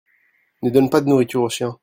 ne donne pas de nourriture aux chiens.